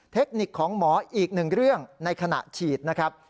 เทคนิคของหมออีกหนึ่งเรื่องในขณะฉีดนะครับ